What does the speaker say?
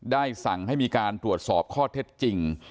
ได้สั่งให้มีการตรวจสอบข้อเท็จจริง